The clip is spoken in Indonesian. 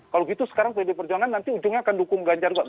kalau gitu sekarang pd perjuangan nanti ujungnya akan dukung ganjar